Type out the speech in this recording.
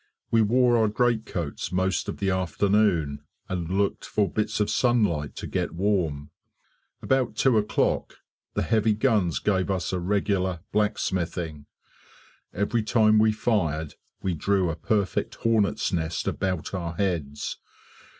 We wore our greatcoats most of the afternoon, and looked for bits of sunlight to get warm. About two o'clock the heavy guns gave us a regular "black smithing". Every time we fired we drew a perfect hornet's nest about our heads.